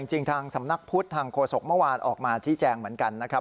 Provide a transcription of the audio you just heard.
จริงทางสำนักพุทธทางโฆษกเมื่อวานออกมาชี้แจงเหมือนกันนะครับ